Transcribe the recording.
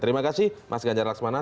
terima kasih mas ganjar laksmana